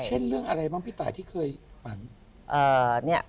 เช่นเรื่องอะไรบ้างพี่ตายที่เคยฝัน